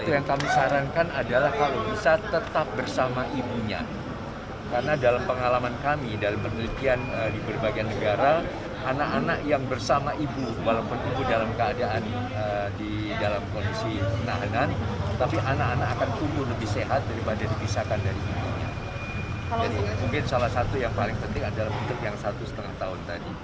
jadi mungkin salah satu yang paling penting adalah hukum yang satu setengah tahun tadi